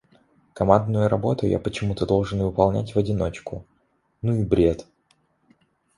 Командную работу я почему-то должен выполнять в одиночку. Ну и бред...